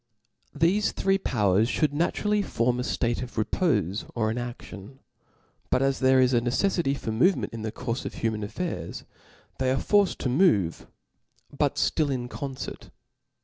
Thefc three.powers fhould naturally form a ftatc of repofe or inadion. But as there is a ncccffity for movement in the courfe of human affairs, they are forced to move, but ftill in concert.